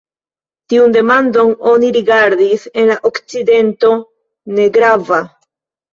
Tiun demandon oni rigardis en la okcidento negrava.